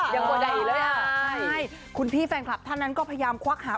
บัวใหญ่เลยอ่ะใช่คุณพี่แฟนคลับท่านนั้นก็พยายามควักหา